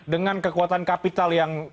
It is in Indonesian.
dengan kekuatan kapital yang